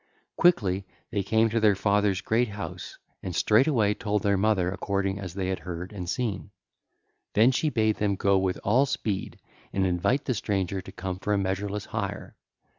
Quickly they came to their father's great house and straightway told their mother according as they had heard and seen. Then she bade them go with all speed and invite the stranger to come for a measureless hire.